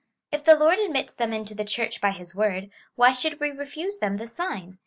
If the Lord admits them into the Church by his word, why should we refuse them the sign